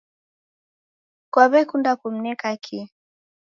Kaw'ekunda kumneka kii?